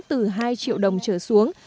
từ hai triệu đồng trở xuống